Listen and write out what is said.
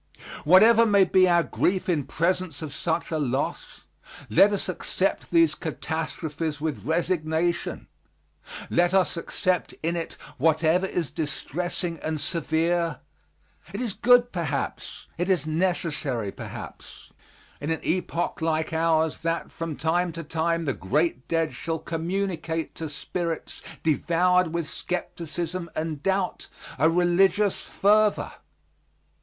Whatever may be our grief in presence of such a loss, let us accept these catastrophes with resignation! Let us accept in it whatever is distressing and severe; it is good perhaps, it is necessary perhaps, in an epoch like ours, that from time to time the great dead shall communicate to spirits devoured with skepticism and doubt, a religious fervor.